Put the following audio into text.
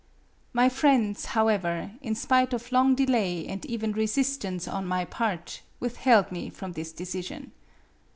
My friends, however, in spite of long delay and even resistance on my part, withheld me from this decision.